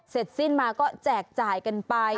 เสร็จสิ้นมาก็แจกจ่ายกันไป